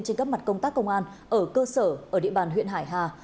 trên các mặt công tác công an ở cơ sở ở địa bàn huyện hải hà